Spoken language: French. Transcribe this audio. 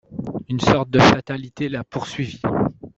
Une sorte de fatalité l'a poursuivi.